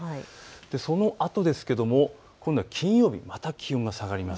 そのあと、今度は金曜日、また気温が下がります。